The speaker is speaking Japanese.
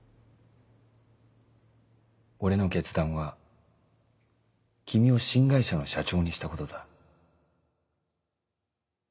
俺の決断は君を新会社の社長にしたことだ。